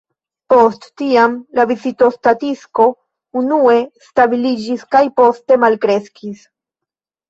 Post tiam la vizitostatistiko unue stabiliĝis, kaj poste malkreskis.